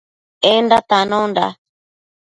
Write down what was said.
Enda tanonda